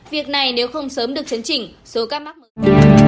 việc này nếu không sớm được chấn chỉnh số các mắc mức